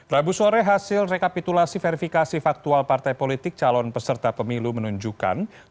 rabu sore hasil rekapitulasi verifikasi faktual partai politik calon peserta pemilu menunjukkan